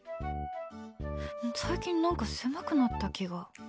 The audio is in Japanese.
最近何か狭くなった気が。